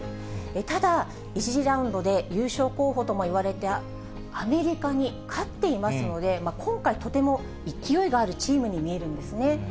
ただ、１次ラウンドで優勝候補ともいわれたアメリカに勝っていますので、今回、とても勢いがあるチームに見えるんですね。